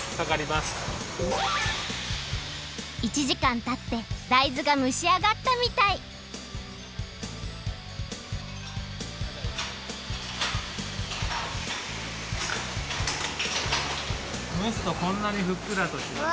１じかんたって大豆がむしあがったみたいむすとこんなにふっくらとします。